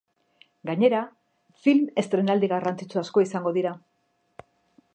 Gainera, film estreinaldi garrantzitsu asko izango dira.